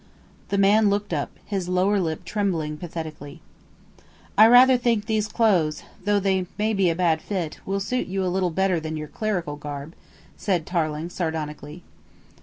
The man looked up, his lower lip trembling pathetically. "I rather think these clothes, though they may be a bad fit, will suit you a little better than your clerical garb," said Tarling sardonically.